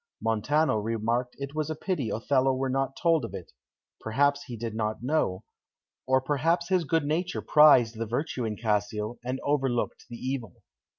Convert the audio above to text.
Montano remarked it was a pity Othello were not told of it; perhaps he did not know, or perhaps his good nature prized the virtue in Cassio, and overlooked the evil.